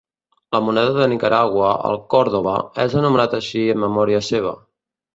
La moneda de Nicaragua, el Córdoba, és anomenat així en memòria seva.